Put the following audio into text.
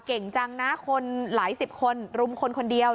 เก่งจังนะคนหลายสิบคนรุมคนคนเดียว